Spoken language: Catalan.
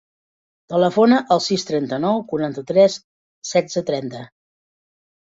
Telefona al sis, trenta-nou, quaranta-tres, setze, trenta.